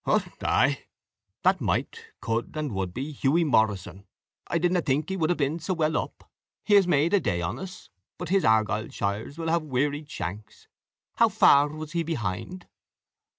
"Hout aye, that might, could, and would be Hughie Morrison; I didna think he could hae peen sac weel up. He has made a day on us; but his Argyleshires will have wearied shanks. How far was he pehind?"